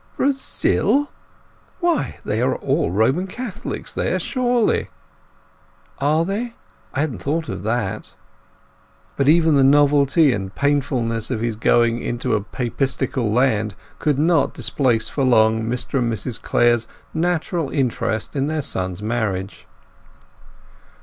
"Brazil! Why they are all Roman Catholics there surely!" "Are they? I hadn't thought of that." But even the novelty and painfulness of his going to a Papistical land could not displace for long Mr and Mrs Clare's natural interest in their son's marriage.